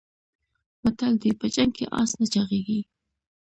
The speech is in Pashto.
متل دی: په جنګ کې اس نه چاغېږي.